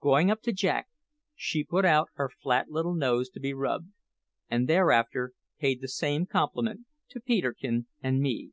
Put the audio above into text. Going up to Jack, she put out her flat little nose to be rubbed, and thereafter paid the same compliment to Peterkin and me.